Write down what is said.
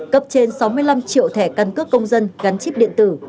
cấp trên sáu mươi năm triệu thẻ căn cước công dân gắn chip điện tử